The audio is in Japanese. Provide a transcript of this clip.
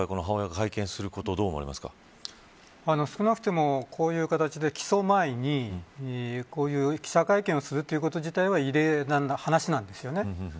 今回、母親が会見をすること少なくとも、こういう形で起訴前に、こういう記者会見をするということ自体が異例な話なんですよね。